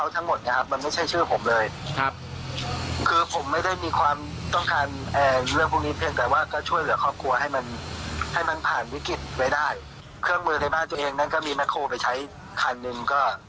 ตัวเองนั้นก็มีแมคโครไปใช้คันหนึ่ง